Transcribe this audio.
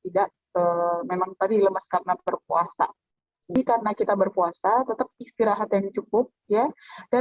tidak memang tadi lemes karena berpuasa jadi karena kita berpuasa tetap istirahat yang cukup ya dan